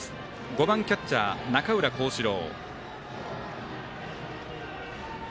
５番、キャッチャー、中浦浩志朗。